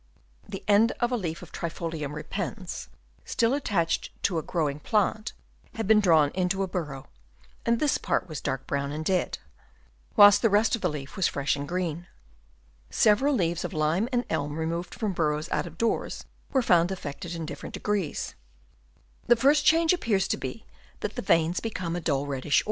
The end of a leaf of Triticum repens, still attached to a growing plant, had been drawn into a burrow, and this part was dark brown and dead, whilst the rest of the leaf was fresh and green. Several leaves of lime and elm removed from burrows out of doors were found affected in different degrees. The first change appears to be that the veins become of a dull reddish orange. Chap.'